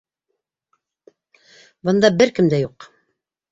Бында бер кем дә юҡ.